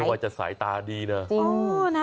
ใช้วัยจะสายตาดีนะ